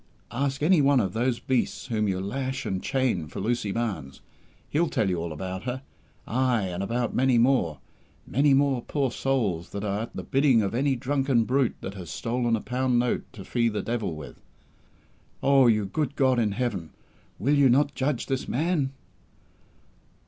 Ask any one of those beasts whom you lash and chain for Lucy Barnes. He'll tell you all about her ay, and about many more many more poor souls that are at the bidding of any drunken brute that has stolen a pound note to fee the Devil with! Oh, you good God in Heaven, will You not judge this man?"